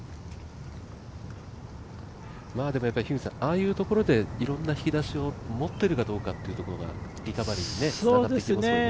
ああいうところでいろんな引き出しを持ってるかどうかっていうのがリカバリーにつながっていきますよね。